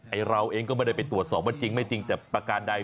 เราเองก็ไม่ได้ไปตรวจสอบว่าจริงไม่จริงแต่ประการใด